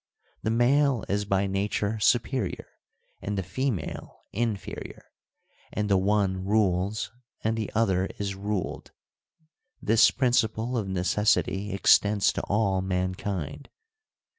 The male is by nature superior, and the female inferior ; and the one rules and the other is ruled ; this principle of necessity extends to all mankind.